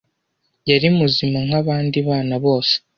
yari muzima nka bandi bana bose